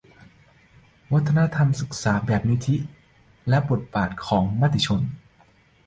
ยุกติ มุกดาวิจิตร : วัฒนธรรมศึกษาแบบนิธิ และบทบาทของมติชน